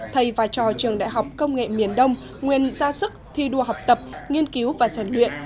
thầy và trò trường đại học công nghệ miền đông nguyên ra sức thi đua học tập nghiên cứu và rèn luyện